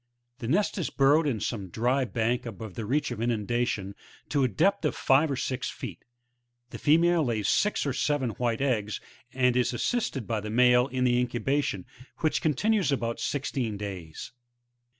The nest is burrowed in some dry bank above the reach of inundation,' to a depth of five or six feet. Ttie'female lays six or seven white eggs, and is assisted by the male in the incubation, which continues about sixteen days, 13.